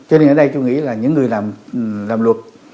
cho nên ở đây tôi nghĩ là những người làm luật